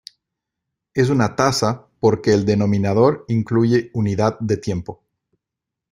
Es una tasa porque el denominador incluye unidad de tiempo.